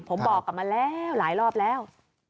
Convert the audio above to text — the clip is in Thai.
ผมบอกกลับมาแล้วหลายรอบแล้ว